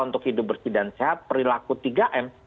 untuk hidup bersih dan sehat perilaku tiga m